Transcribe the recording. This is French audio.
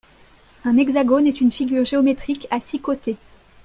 Un hexagone est une figure géométrique à six côtés.